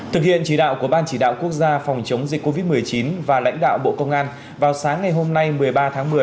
thực hiện chỉ đạo của ban chỉ đạo quốc gia phòng chống dịch covid một mươi chín và lãnh đạo bộ công an vào sáng ngày hôm nay một mươi ba tháng một mươi